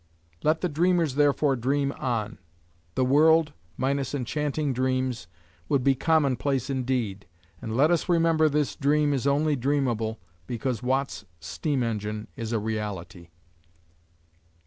Let the dreamers therefore dream on. The world, minus enchanting dreams, would be commonplace indeed, and let us remember this dream is only dreamable because Watt's steam engine is a reality.